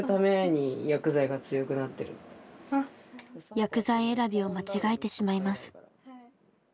薬剤選びを間違えてしまいます。